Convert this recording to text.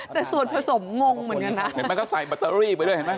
แต่ส่วนผสมงเหมือนกันนะเห็นไหมก็ใส่แบตเตอรี่ไปด้วยเห็นไหม